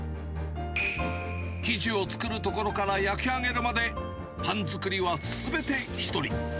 生地を作るところから焼き上げるまで、パン作りはすべて１人。